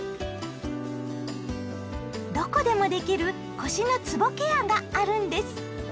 どこでもできる腰のつぼケアがあるんです！